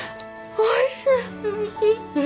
おいしい？